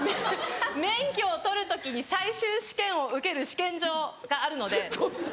免許を取る時に最終試験を受ける試験場があるので。